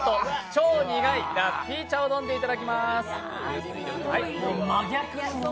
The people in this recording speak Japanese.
超苦いラッピー茶を飲んでいただきます。